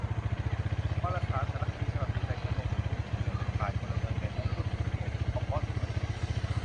วารสาร 'สารคดี' ฉบับ 'รีไซเคิล' ลงสกู๊ป เครือข่ายพลเมืองเน็ต และพูดถึงครีเอทีฟคอมมอนส์หน่อยนึง